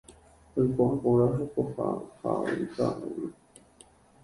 Oikuaa porã hekoha ha avei ka'aguy.